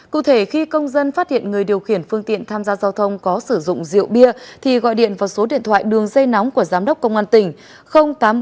cụ thể khi công dân phát hiện người điều khiển phương tiện tham gia giao thông có sử dụng rượu bia thì gọi điện vào số điện thoại đường dây nóng của giám đốc công an tỉnh